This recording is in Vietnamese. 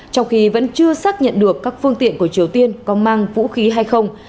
trong khi vẫn chưa xác nhận được các phương tiện của triều tiên có mang vũ khí hay không